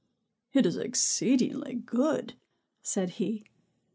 "It it exceedingly good," said he.